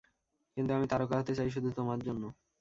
কিন্তু আমি তারকা হতে চাই শুধু তোমার জন্য।